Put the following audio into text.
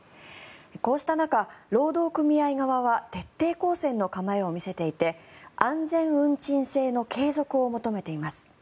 こうした中、労働組合側は徹底抗戦の構えを見せていて安全運賃制の継続を求めています。